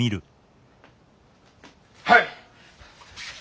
はい！